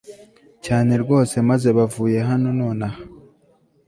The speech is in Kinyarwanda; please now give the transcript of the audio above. cyane rwose maze bavuye hano nonaha